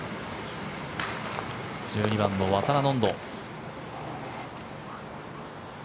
１２番のワタナノンド。